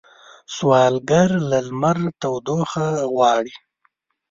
سوالګر له لمر تودوخه غواړي